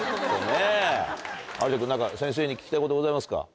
有田君何か先生に聞きたいことございますか？